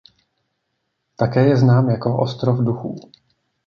Také je znám jako Ostrov duchů.